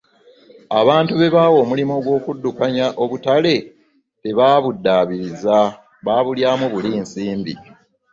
abantu bbebawa omulimu gw'okudukanya obutale tebbabudabiriza bbabulyamu buli nsimbi